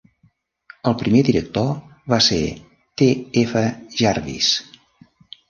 El primer director va ser T F Jarvis.